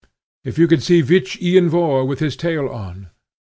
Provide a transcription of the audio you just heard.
"If you could see Vich Ian Vohr with his tail on!